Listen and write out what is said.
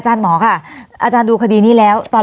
วันนี้แม่ช่วยเงินมากกว่า